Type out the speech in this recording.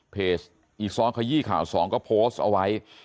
เพจอีกสองขยี้ข่าวสองก็โพสเอาไว้